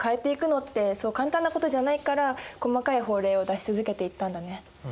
そう簡単なことじゃないから細かい法令を出し続けていったんだね。